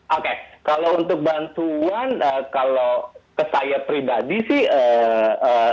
oke kalau untuk bantuan kalau ke saya pribadi sih